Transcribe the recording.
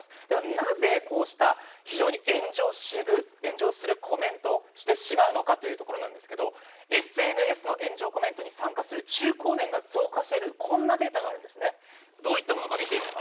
ではなぜ、こうした非常に炎上するコメントをしてしまうのかということですがＳＮＳの炎上コメントに参加する中高年が増加しているというデータがあるんですね。